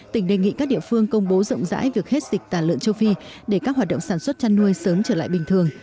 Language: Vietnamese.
tỉnh đề nghị các địa phương công bố rộng rãi việc hết dịch tả lợn châu phi để các hoạt động sản xuất chăn nuôi sớm trở lại bình thường